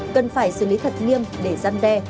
cần phải xử lý thật nghiêm để giăn đe